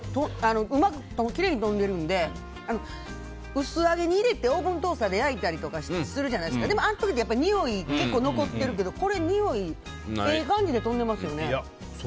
きれいに飛んでるので薄揚げに入れてオーブントースターで焼くじゃないですかでも、あの時ってにおい結構残ってるけどこれ、においええ感じで飛んでますよね。